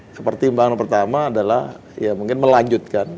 seperti bahan pertama adalah ya mungkin melanjutkan